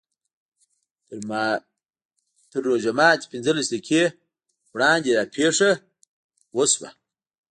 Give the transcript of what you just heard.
تر روژه ماتي پینځلس دقیقې وړاندې دا پېښه وشوه.